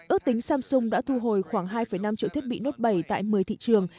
ước tính samsung đã thu hồi khoảng hai năm triệu thiết bị note bảy tại một mươi thị trường